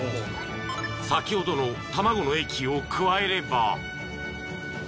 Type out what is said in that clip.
［先ほどの卵の液を加えれば］